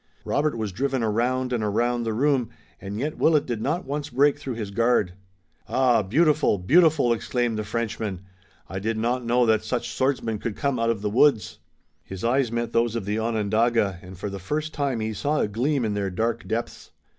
Robert was driven around and around the room, and yet Willet did not once break through his guard. "Ah, beautiful! beautiful!" exclaimed the Frenchman. "I did not know that such swordsmen could come out of the woods!" His eyes met those of the Onondaga and for the first time he saw a gleam in their dark depths.